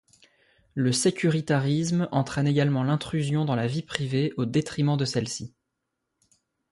Le sécuritarisme entraîne également l'intrusion dans la vie privée au détriment de celle-ci.